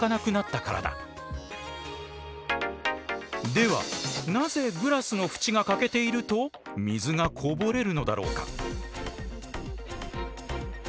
ではなぜグラスの縁が欠けていると水がこぼれるのだろうか。